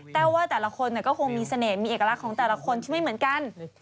ว่าแต่ละคนก็คงมีเสน่ห์มีเอกลักษณ์ของแต่ละคนที่ไม่เหมือนกัน